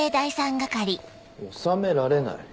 納められない？